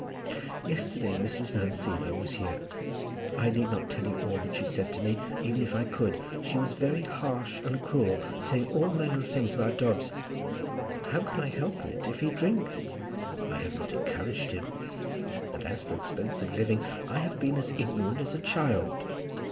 Yesterday Mrs. Van Siever was here. I need not tell you all that she said to me, even if I could. She was very harsh and cruel, saying all manner of things about Dobbs. How can I help it, if he drinks? I have not encouraged him. And as for expensive living, I have been as ignorant as a child.